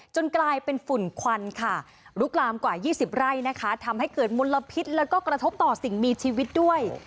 กลายเป็นฝุ่นควันค่ะลุกลามกว่า๒๐ไร่นะคะทำให้เกิดมลพิษแล้วก็กระทบต่อสิ่งมีชีวิตด้วย